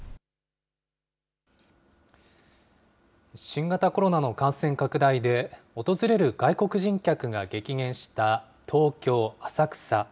新型コロナの感染拡大で、訪れる外国人客が激減した東京・浅草。